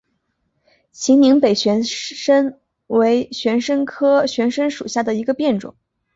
秦岭北玄参为玄参科玄参属下的一个变种。